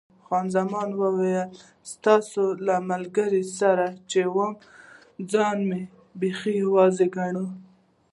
خان زمان وویل، ستا له ملګرو سره چې وم ځان مې بیخي یوازې ګاڼه.